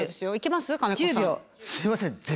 すいません。